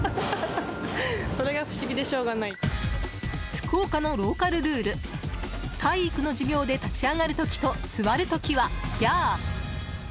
福岡のローカルルール体育の授業で立ち上がる時と座る時はヤー。